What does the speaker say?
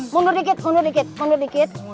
mundur dikit mundur dikit mundur dikit